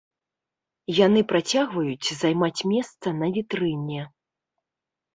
Яны працягваюць займаць месца на вітрыне.